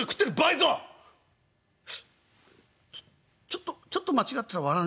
「ちょちょっと間違ってたら。